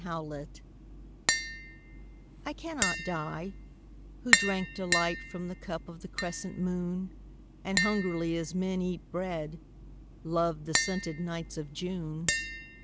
The Wine I cannot die, who drank delight From the cup of the crescent moon, And hungrily as men eat bread, Loved the scented nights of June.